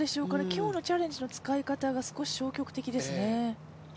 今日のチャレンジの使い方が少し消極的ですね。